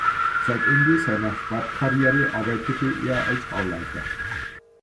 Seit dem Ende seiner Sportkarriere arbeitete er als Bauleiter.